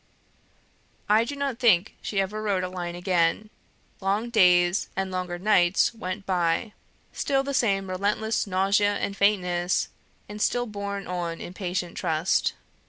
I do not think she ever wrote a line again. Long days and longer nights went by; still the same relentless nausea and faintness, and still borne on in patient trust.